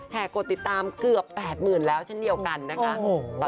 แผงกดติดตามเกือบแปดหมื่นแล้วเช่นเดียวกันนะคะโอ้โห